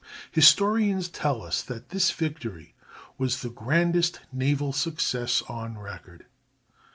] Historians tell us that this victory was the grandest naval success on record.